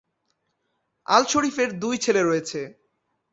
আল-শরীফের দুই ছেলে রয়েছে।